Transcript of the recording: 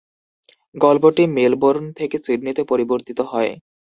গল্পটি মেলবোর্ন থেকে সিডনিতে পরিবর্তিত হয়।